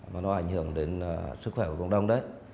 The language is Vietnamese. và nó ảnh hưởng đến sức khỏe của cộng đồng đấy